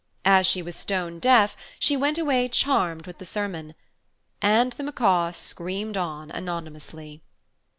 As she was stone deaf, she went away charmed with the sermon. And the macaw screamed on anonymously.